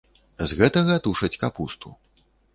З гэтага тушаць капусту.